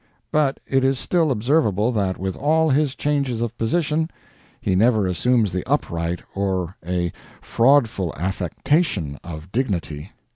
But it is still observable that with all his changes of position, he never assumes the upright or a fraudful affectation of dignity.